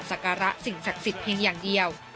สักการะสิ่งศักดิ์สิทธิเพียงอย่างเดียว